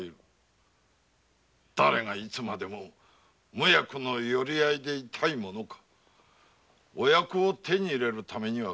だれがいつまでも無役の寄合でいたいものかお役を手に入れるためには金が要る。